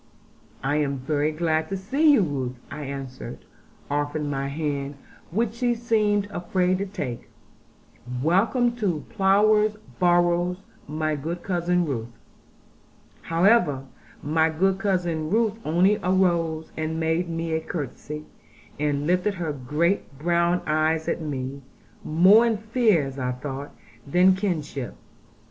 'I am very glad to see you, Ruth,' I answered, offering her my hand, which she seemed afraid to take, 'welcome to Plover's Barrows, my good cousin Ruth.' However, my good cousin Ruth only arose, and made me a curtsey, and lifted her great brown eyes at me, more in fear, as I thought, than kinship.